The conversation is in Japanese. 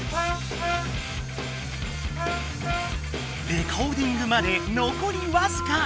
レコーディングまでのこりわずか！